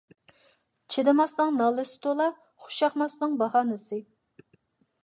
چىدىماسنىڭ نالىسى تۇلا، خوش ياقماسنىڭ باھانىسى.